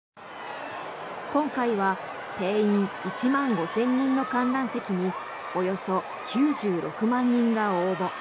今回は、定員１万５０００人の観覧席におよそ９６万人が応募。